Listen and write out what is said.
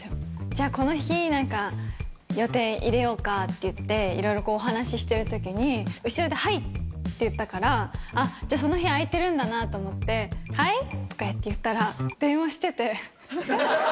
じゃあ、この日、何か予定入れようかっていって、いろいろこう、お話してるときに、後ろで、はいって言ったから、あっ、じゃあその日、空いてるんだなって、はい？とかって言ったら、電話してて。